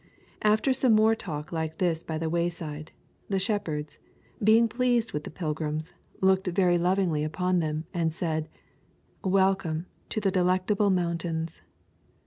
After some more talk like this by the wayside, the shepherds, being pleased with the pilgrims, looked very lovingly upon them and said: Welcome to the Delectable Mountains.